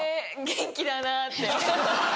元気だなって。